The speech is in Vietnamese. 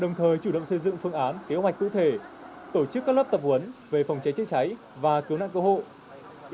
đồng thời chủ động xây dựng phương án kế hoạch cụ thể tổ chức các lớp tập huấn về phòng cháy chữa cháy và cơ nạn cơ hội